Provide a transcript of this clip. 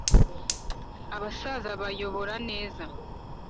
Abasaza bayobora neza